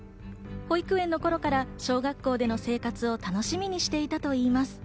保育園の頃から小学校での生活を楽しみにしていたといいます。